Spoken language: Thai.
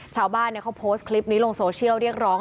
ชาวบ้านเขาโพสต์คลิปนี้ลงโซเชียลเรียกร้อง